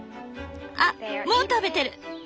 あっもう食べてる！